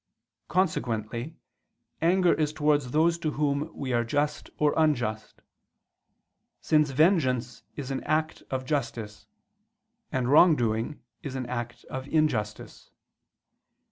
Consequently, anger is towards those to whom we are just or unjust: since vengeance is an act of justice, and wrong doing is an act of injustice.